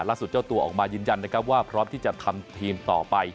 ล่าสุดเจ้าตัวออกมายืนยันว่าพร้อมที่จะทำทีมต่อไป